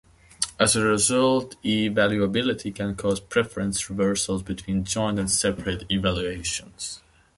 As a result, evaluability can cause preference reversals between joint and separate evaluations.